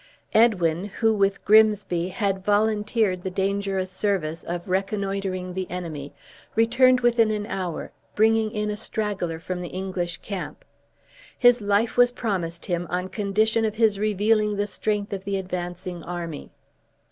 Edwin, who, with Grimsby, had volunteered the dangerous service of reconnoitering the enemy, returned within an hour, bringing in a straggler from the English camp. His life was promised him on condition of his revealing the strength of the advancing army.